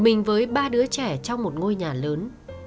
mình với ba đứa trẻ trong một ngôi nhà lớn